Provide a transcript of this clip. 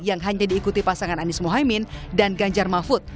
yang hanya diikuti pasangan anies mohaimin dan ganjar mahfud